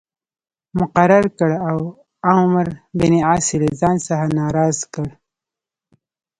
مقرر کړ او عمرو بن عاص یې له ځان څخه ناراض کړ.